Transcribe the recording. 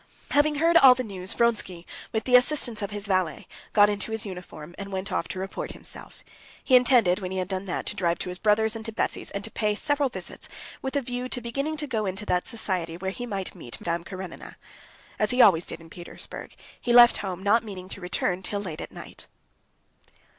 Having heard all the news, Vronsky, with the assistance of his valet, got into his uniform, and went off to report himself. He intended, when he had done that, to drive to his brother's and to Betsy's and to pay several visits with a view to beginning to go into that society where he might meet Madame Karenina. As he always did in Petersburg, he left home not meaning to return till late at night.